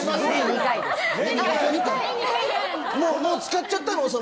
もう使っちゃったの。